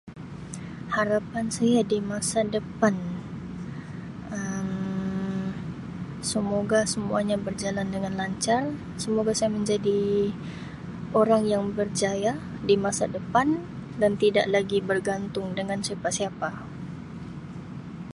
Harapan saya di masa depan Um semoga semuanya berjalan dengan lancar, semoga saya menjadi orang yang berjaya di masa depan dan tidak lagi bergantung dengan siapa-siapa.